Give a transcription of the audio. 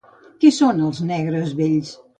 Què són els Negres vells?